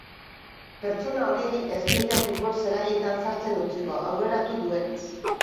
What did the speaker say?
Pertsona horiei ez diete futbol-zelaietan sartzen utziko, aurreratu duenez.